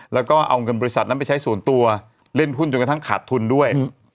แล้วก็เอาเงินบริษัทนั้นไปใช้ส่วนตัวเล่นหุ้นจนกระทั่งขาดทุนด้วย